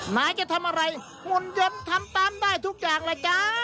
ไหนจะทำอะไรหุ่นยนต์ทำตามได้ทุกอย่างเลยจ้า